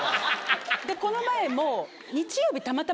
この前も。